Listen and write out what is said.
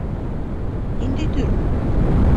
Ниндәй төр ул?